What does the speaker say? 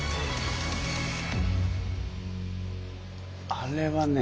あれはね